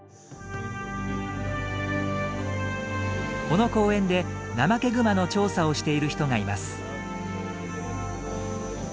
この公園でナマケグマの調査をしている人がいます。